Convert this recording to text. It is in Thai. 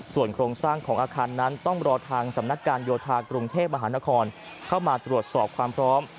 ส่วนโครงสร้างของอาคารนั้นต้องรอทางสำนักการโยธากรุงเทพมหานครเข้ามาตรวจสอบความพร้อม